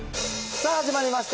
さあ、始まりました、